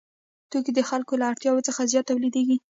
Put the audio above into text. توکي د خلکو له اړتیاوو څخه زیات تولیدېږي